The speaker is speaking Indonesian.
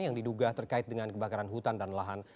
yang diduga terkait dengan kebakaran hutan dan lahan